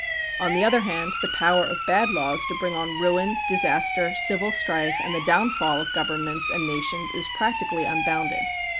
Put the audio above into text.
On the other hand, the power of bad laws to bring on ruin, dis aster, civil strife, and the downfall of governments and nations is practically unbounded.